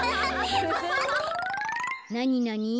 なになに？